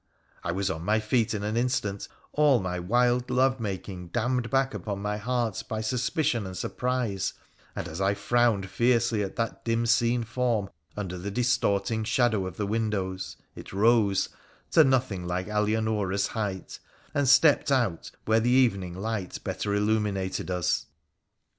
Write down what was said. I was on my feet in an instant, all my wild love making dammed back upon my heart by suspicion and surprise, and as I frowned fiercely at that dim seen form under the distorting shadow of the windows, it rose — to nothing like Alianora's height — and stepped out where the evening light better illu mined us.